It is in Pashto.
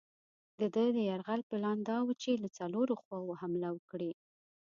د ده د یرغل پلان دا وو چې له څلورو خواوو حمله وکړي.